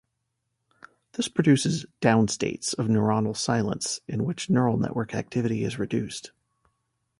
This produces "down-states" of neuronal silence in which neural network activity is reduced.